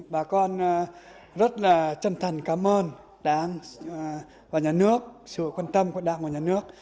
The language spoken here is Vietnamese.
bà con rất là chân thành cảm ơn và nhà nước sự quan tâm của đảng và nhà nước